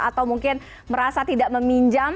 atau mungkin merasa tidak meminjam